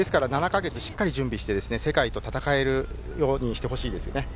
７か月しっかり準備して世界と戦えるようにしてほしいです。